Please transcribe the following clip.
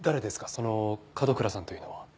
その角倉さんというのは。